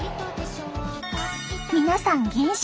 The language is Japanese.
皆さん減少！